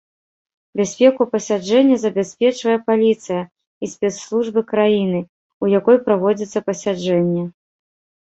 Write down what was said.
Бяспеку пасяджэння забяспечвае паліцыя і спецслужбы краіны, у якой праводзіцца пасяджэнне.